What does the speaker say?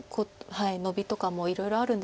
ノビとかもいろいろあるんですけれども。